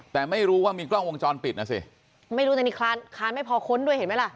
แต่ไม่รู้ว่ามีกล้องวงจรปิดนะสิไม่รู้แต่นี่คลานคลานไม่พอค้นด้วยเห็นไหมล่ะ